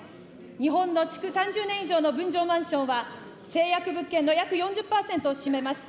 日本の築３０年以上の分譲マンションは、成約物件の約４０％を占めます。